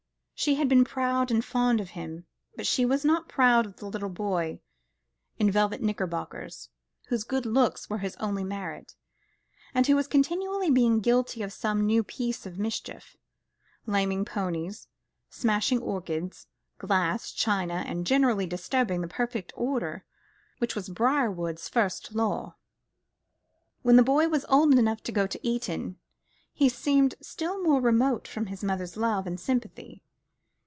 She had been proud and fond of him, but she was not proud of the little boy in velvet knickerbockers, whose good looks were his only merit, and who was continually being guilty of some new piece of mischief; laming ponies, smashing orchids, glass, china, and generally disturbing the perfect order which was Briarwood's first law. When the boy was old enough to go to Eton, he seemed still more remote from his mother's love and sympathy.